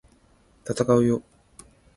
闘うよ！！